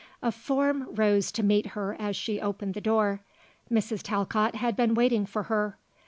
A form rose to meet her as she opened the door. Mrs. Talcott had been waiting for her.